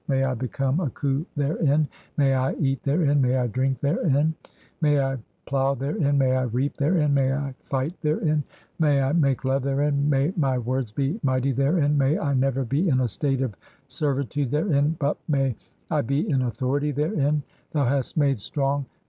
May I become "a khu therein, may I eat therein, may I drink therein, (12) "may I plough therein, may I reap therein, may I fight therein, "may I make love therein, may my words be mighty therein, "may I never be in a state of servitude therein, (i3) but may "I be in authority therein. Thou hast made strong